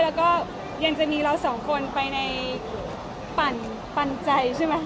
แล้วก็ยังจะมีเราสองคนไปในปั่นใจใช่ไหม